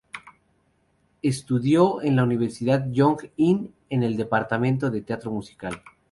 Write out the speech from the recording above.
Estudió en la Universidad Yong In, en el departamento de teatro musical.